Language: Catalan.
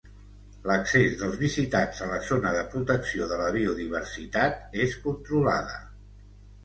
L'accés dels visitants a la zona de protecció de la biodiversitat és controlada.